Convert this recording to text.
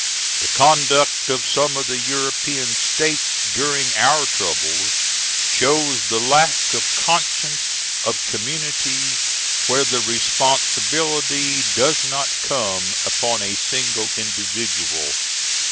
The conduct of some of the European states during our troubles shows the lack of conscience of communities where the responsibility does not come upon a single individual.